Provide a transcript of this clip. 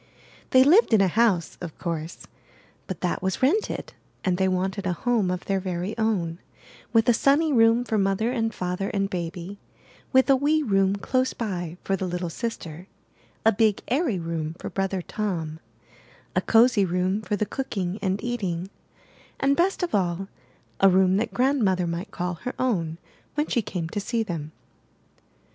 They lived in a house, of course, but that was rented; and they wanted a home of their very own, with a sunny room for Mother and Father and Baby, with a wee room close by for the little sister; a big, airy room for Brother Tom; a cosy room for the cooking and eating; and, best of all, a room that Grandmother might call her own when she came to see them.